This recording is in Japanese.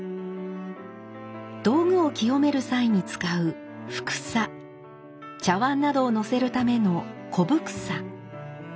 道具を清める際に使う「帛紗」茶碗などをのせるための「古帛紗」。